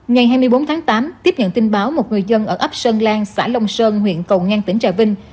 ngày hai mươi bốn tháng tám tiếp nhận tin báo một người dân ở ấp sơn lan xã long sơn huyện cầu ngang tỉnh trà vinh